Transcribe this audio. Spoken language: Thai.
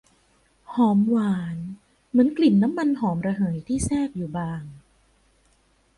หอมหวานเหมือนกลิ่นน้ำมันหอมระเหยที่แทรกอยู่บาง